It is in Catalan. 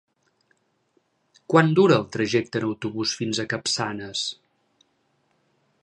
Quant dura el trajecte en autobús fins a Capçanes?